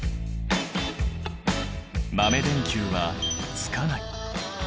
豆電球はつかない。